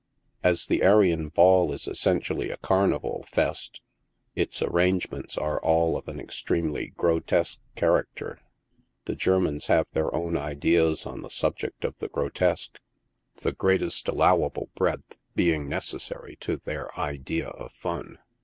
As the Arion Ball is essentially a carnival /est, its arrangements are all of an extremely grotesque character. The Germans have their own ideas on the subject of the grotesque, the greatest allow AN ARION BALL. 113 al>le breadth being necessary to their idea of fun.